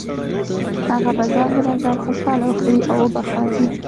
هغه به ظاهراً ځان خوشحاله وښیې او وبه خاندي